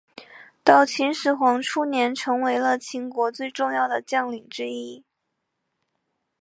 到秦始皇初年成为了秦国最重要的将领之一。